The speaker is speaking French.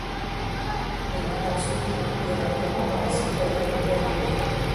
Il est ensuite élu directement par les citoyens de Virginie.